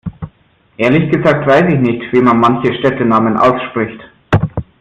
Ehrlich gesagt weiß ich nicht wie man manche Städtenamen ausspricht.